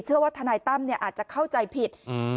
เชื่อว่าทนายตั้มเนี่ยอาจจะเข้าใจผิด